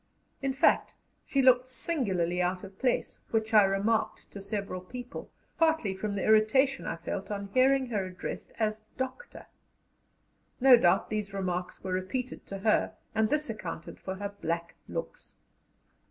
In fact, she looked singularly out of place, which I remarked to several people, partly from the irritation I felt on hearing her addressed as "Doctor." No doubt these remarks were repeated to her, and this accounted for her black looks.